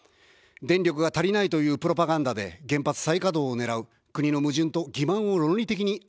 電力が足りないというプロパガンダで原発再稼働を狙う、国の矛盾と欺まんを論理的に暴く。